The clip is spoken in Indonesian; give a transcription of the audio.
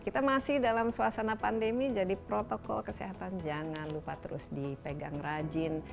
kita masih dalam suasana pandemi jadi protokol kesehatan jangan lupa terus dipegang rajin